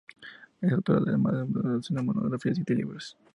Es autora de más de una docena de monografías y de libros.